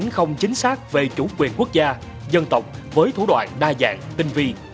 không chính xác về chủ quyền quốc gia dân tộc với thủ đoạn đa dạng tinh vi